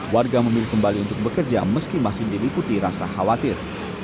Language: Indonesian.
warga memilih kembali untuk bekerja meski masih diliputi rasa khawatir